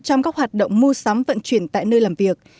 trong các hoạt động mua sắm vận chuyển tại nơi làm việc